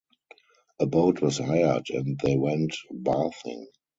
A boat was hired, and they went bathing.